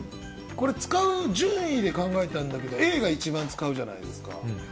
これ使う順位で考えたんだけどＡが一番使うじゃないですか。